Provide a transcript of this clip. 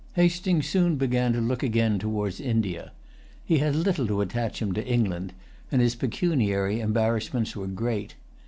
Hastings soon began to look again towards India. He had little to attach him to England; and his pecuniary embarrassments were great.